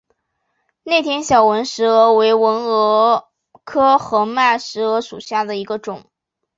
内田小纹石蛾为纹石蛾科合脉石蛾属下的一个种。